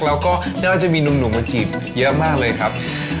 แล้วก็น่าจะมีหนุ่มมาจีบเยอะมากเลยครับ